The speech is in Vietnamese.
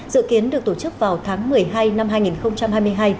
dự kiến được tổ chức vào tháng một mươi hai năm hai nghìn hai mươi hai